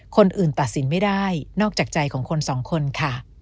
คนอื่นตัดสินไม่ได้นอกจากใจของคนสองคนค่ะ